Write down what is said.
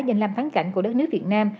dành làm thắng cảnh của đất nước việt nam